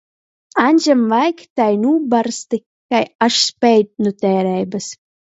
Aņžam vaigi tai nūbarzti, ka až speid nu teireibys.